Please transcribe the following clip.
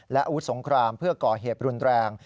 และอาวุธสงครามเพื่อก่อเหตุรุนแรง